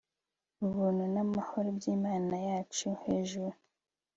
ubuntu namahoro byimana yacu hejuru